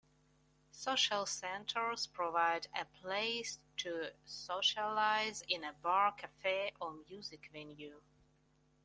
Social centers provide a place to socialize in a bar, cafe or music venue.